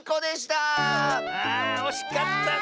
あおしかったね。